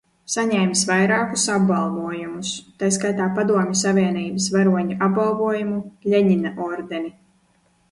Saņēmis vairākus apbalvojumus, tai skaitā Padomju Savienības Varoņa apbalvojumu, Ļeņina ordeni.